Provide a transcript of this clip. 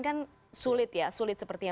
kan sulit ya sulit sepertinya